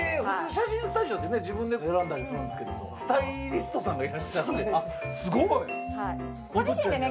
写真スタジオって自分で選んだりするんですけどもスタイリストさんがいらっしゃってご自身でね